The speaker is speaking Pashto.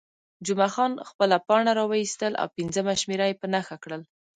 جمعه خان خپله پاڼه راویستل او پنځمه شمېره یې په نښه کړل.